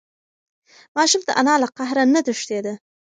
ماشوم د انا له قهر نه تښتېده.